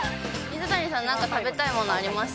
水谷さん、何か食べたいものあります？